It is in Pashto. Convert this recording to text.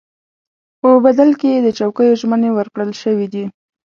په بدل کې یې د چوکیو ژمنې ورکړل شوې دي.